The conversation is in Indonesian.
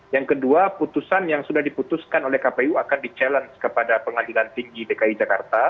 yang kedua putusan yang sudah diputuskan oleh kpu akan di challenge kepada pengadilan tinggi dki jakarta